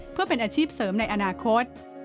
เพื่อเป็นอาชีพเสริมในอนาคต